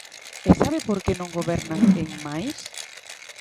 E ¿sabe por que non gobernan en máis?